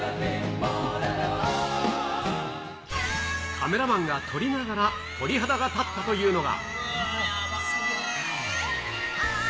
カメラマンが撮りながら鳥肌が立ったというのが。